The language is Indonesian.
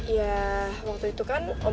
yah waktu itu kan